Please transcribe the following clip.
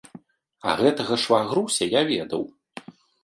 А гэтага швагруся я ведаў.